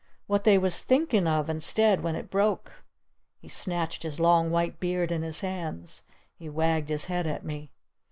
What they was thinking of instead when it broke! " He snatched his long white beard in his hands. He wagged his head at me.